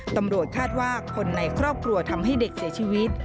ตำรวจคาดว่าคนในครอบครัวทำให้เด็กเสียชีวิต